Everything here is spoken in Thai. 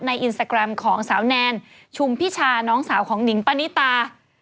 อินสตาแกรมของสาวแนนชุมพิชาน้องสาวของหนิงปณิตา